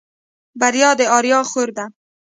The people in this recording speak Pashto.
بريا د آريا خور ده.